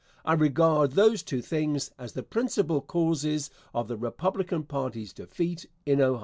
I regard those two things as the principal causes of the Republican party's defeat in Ohio.